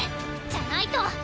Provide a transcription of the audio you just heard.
じゃないと！